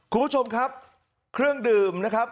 คุณผู้ชมครับเครื่องดื่มนะครับ